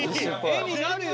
画になるよ